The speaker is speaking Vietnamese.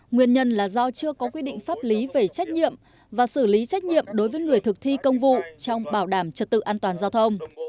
nguyên nhân là do chưa có quy định pháp lý về trách nhiệm và xử lý trách nhiệm đối với người thực thi công vụ trong bảo đảm trật tự an toàn giao thông